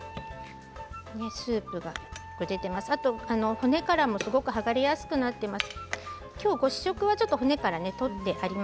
骨からもすごく剥がれやすくなっています。